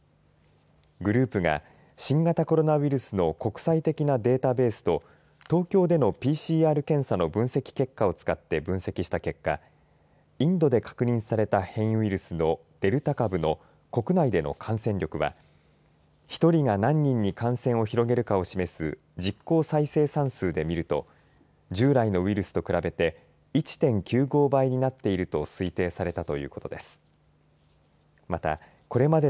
グループが新型コロナウイルスの国際的なデータベースと東京でのＰＣＲ検査の分析結果を使って分析した結果インドで確認された変異ウイルスのデルタ株の国内での感染力は１人が何人に感染を広げるかを示す実効再生産数で見ると従来のウイルスと比べて１．９５倍になっていると推定されたということです。